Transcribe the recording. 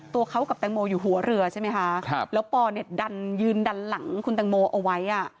ตัวเขากับแตงโมอยู่หัวเรือใช่ไหมคะครับแล้วปอเนี่ยดันยืนดันหลังคุณแตงโมเอาไว้